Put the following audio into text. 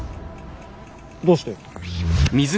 どうして？